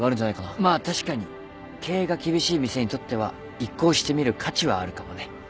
まあ確かに経営が厳しい店にとっては一考してみる価値はあるかもね。